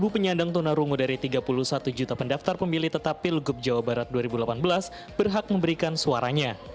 dua puluh penyandang tunarungu dari tiga puluh satu juta pendaftar pemilih tetap pilgub jawa barat dua ribu delapan belas berhak memberikan suaranya